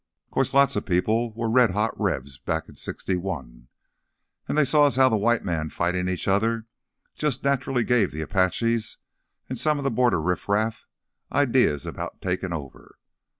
'Course lotsa people were red hot Rebs back in '61 till they saw as how white men fightin' each other jus' naturally gave th' Apaches an' some of th' border riffraff idears 'bout takin' over.